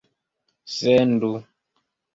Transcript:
sendu